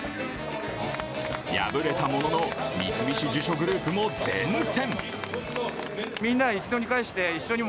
敗れたものの三菱地所グループも善戦。